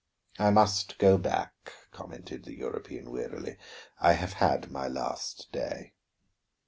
"I must go back," commented the European wearily. "I have had my last day."